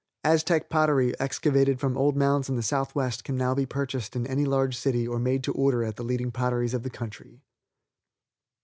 Aztec pottery excavated from old mounds in the southwest can now be purchased in any large city or made to order at the leading potteries of the country.